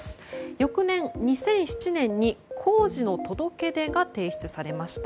翌年２００７年に工事の届け出が提出されました。